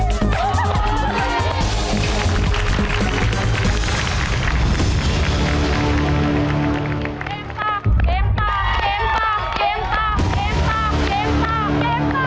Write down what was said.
เกมต่อเกมต่อเกมต่อ